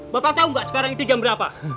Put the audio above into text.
bapak tau gak sekarang itu jam berapa